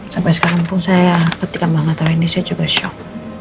sampai sekarang pun saya ketika melanggar ini saya coba shock